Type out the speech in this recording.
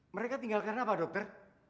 mereka tinggalkan apa dokter